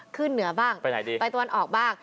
ขึ้นเหนือบ้างไปตัวออกไปตัวออกบ้าง